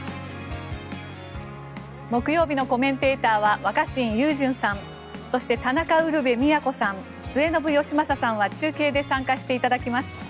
木曜日のコメンテーターは若新雄純さんそして、田中ウルヴェ京さん末延吉正さんは中継で参加していただきます。